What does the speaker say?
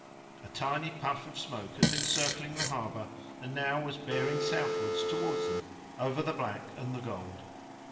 A tiny puff of smoke had been circling the harbour, and now was bearing southwards towards them over the black and the gold.